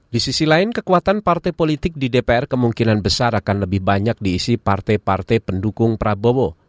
di sisi lain kekuatan partai politik di dpr kemungkinan besar akan lebih banyak diisi partai partai pendukung prabowo